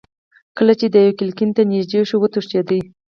کله چې دېو کړکۍ ته نیژدې شو وتښتېدی.